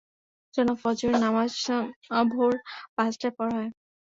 জনাব, ফজরের নামাজ ভোর পাঁচটায় পড়া হয়।